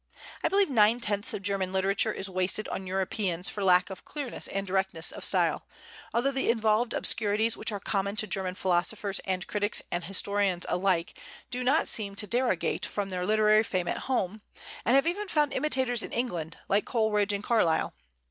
I believe nine tenths of German literature is wasted on Europeans for lack of clearness and directness of style; although the involved obscurities which are common to German philosophers and critics and historians alike do not seem to derogate from their literary fame at home, and have even found imitators in England, like Coleridge and Carlyle.